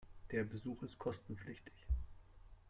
Der Besuch ist kostenpflichtig.